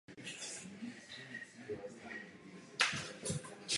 Před námi je ale ještě dlouhá cesta.